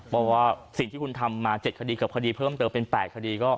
บอกว่าสิ่งที่คุณทำมา๗คดีกับคดีเพิ่มเติมเป็น๘คดีก็